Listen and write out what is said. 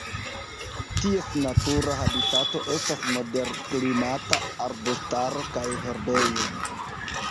Ties natura habitato estas moderklimata arbustaro kaj herbejo.